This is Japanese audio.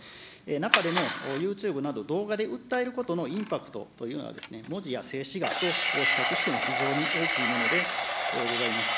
中でもユーチューブなど動画で訴えることのインパクトというのは、文字や静止画と比較しても非常に大きいものでございます。